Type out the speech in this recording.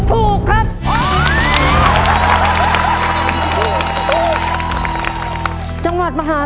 ถ้าตอบถูก๔ข้อก็ได้โบนัส๔ตู้ไขให้หมดเลยนะครับ